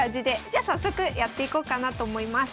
じゃ早速やっていこうかなと思います。